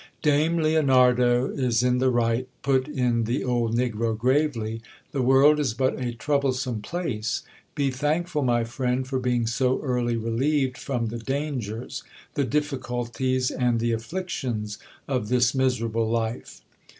Dame Leonarda is in the right, put in the old negro gravely, the world is but a trouble some place. Be thankful, my friend, for being so early relieved from the dan gers, the difficulties, and the afflictions of this miserable life.